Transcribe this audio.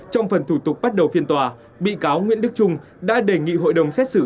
trong phần thủ tục bắt đầu phiên tòa bị cáo nguyễn đức trung đã đề nghị hội đồng xét xử